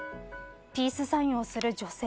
ピースサインをする女性。